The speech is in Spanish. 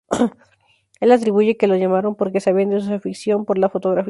Él atribuye que lo llamaron porque sabían de su afición por la fotografía.